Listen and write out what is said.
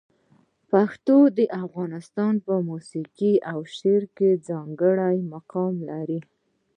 پښتو د افغانستان په موسیقي او شعر کې ځانګړی مقام لري.